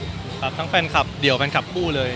ใส่แฟนคลับทั้งแฟนคลับเดียวทั้งแฟนคลับคู่เลย